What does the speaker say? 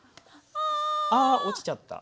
あ！あ落ちちゃった。